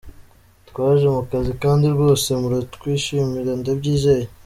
Twaje mu kazi kandi rwose muratwishimira, ndabyizeye.